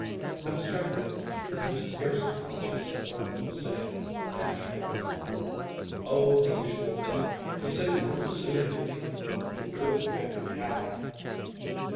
Abstractedly, as if scarcely conscious of what he was saying, the man shrugged: "Oh, the usual thing. He said you weren't suited to me; you wouldn't make me happy."